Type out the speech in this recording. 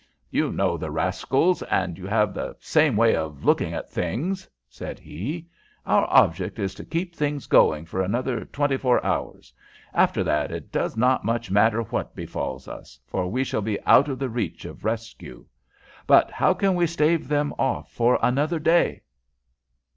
"You know the rascals, and you have the same way of looking at things," said he. "Our object is to keep things going for another twenty four hours. After that it does not much matter what befalls us, for we shall be out of the reach of rescue. But how can we stave them off for another day?"